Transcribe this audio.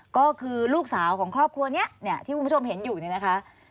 ก็คือลูกสาวของครอบครัวนี้เนี่ยที่คุณผู้ชมเห็นอยู่เนี่ยนะคะ